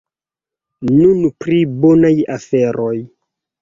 Nun pri bonaj aferoj.